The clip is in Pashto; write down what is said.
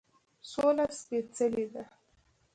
سوله سپیڅلې ده